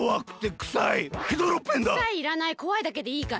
くさいいらないこわいだけでいいから。